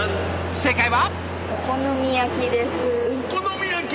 正解は。